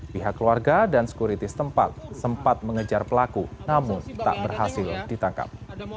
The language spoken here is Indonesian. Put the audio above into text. pihak keluarga dan sekuritis tempat sempat mengejar pelaku namun tak berhasil ditangkap